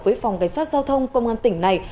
với phòng cảnh sát giao thông công an tỉnh này